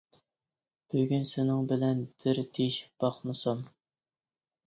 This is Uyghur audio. بۈگۈن سېنىڭ بىلەن بىر دېيىشىپ باقمىسام!